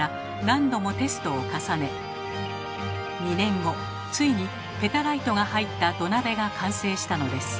２年後ついにペタライトが入った土鍋が完成したのです。